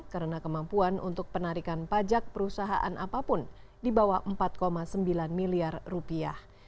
karena kemampuan untuk penarikan pajak perusahaan apapun di bawah empat sembilan miliar rupiah